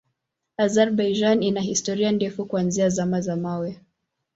Azerbaijan ina historia ndefu kuanzia Zama za Mawe.